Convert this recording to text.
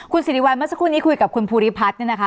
คุณสิริวัลเมื่อสักครู่นี้คุยกับคุณภูริพัฒน์เนี่ยนะคะ